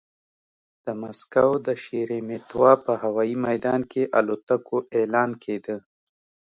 د مسکو د شېرېمېتوا په هوايي ميدان کې الوتکو اعلان کېده.